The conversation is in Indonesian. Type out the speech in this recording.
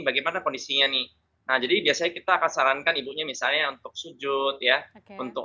bagaimana kondisinya nih nah jadi biasanya kita akan sarankan ibunya misalnya untuk sujud ya untuk